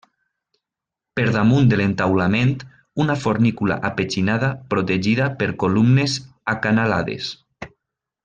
Per damunt de l'entaulament, una fornícula apetxinada protegida per columnes acanalades.